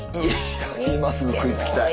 今すぐ食いつきたい。